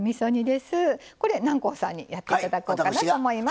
これ南光さんにやって頂こうかなと思います。